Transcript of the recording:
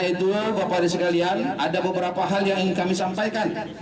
yaitu bapak dan sekalian ada beberapa hal yang ingin kami sampaikan